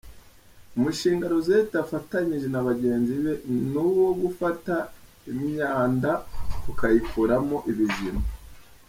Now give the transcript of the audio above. Umushinga Rosette afatanyije na bagenzi be ni uwo gufata imyanda ukuyikuramo ibizima.